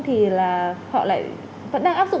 thì là họ lại vẫn đang áp dụng